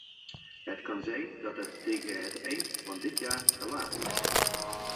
Het kan zijn dat het tegen het eind van dit jaar te laat is.